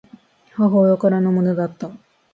母親からのものだった